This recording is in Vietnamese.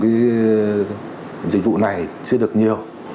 cái dịch vụ này chưa được nhiều